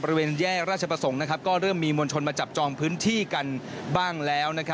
บริเวณแยกราชประสงค์ก็เริ่มมีมวลชนมาจับจองพื้นที่กันบ้างแล้ว